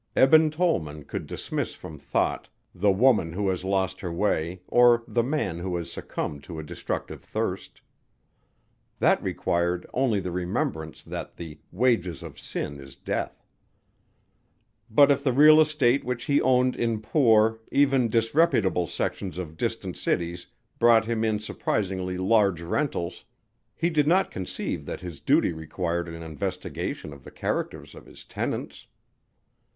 Eben Tollman could dismiss from thought the woman who has lost her way or the man who has succumbed to a destructive thirst. That required only the remembrance that the "wages of sin is death." But if real estate which he owned in poor, even disreputable sections of distant cities brought him in surprisingly large rentals, he did not conceive that his duty required an investigation of the characters of his tenants.